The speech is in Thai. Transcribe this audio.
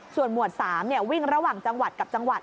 ส่วนหมวด๓วิ่งระหว่างจังหวัดกับจังหวัด